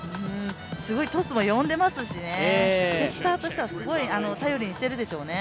すごいトスも読んでいますしね、セッターとしては頼りにしているでしょうね。